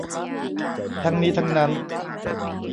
ทั้งนี้ทั้งนั้น